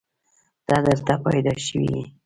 ته دلته پيدا شوې يې.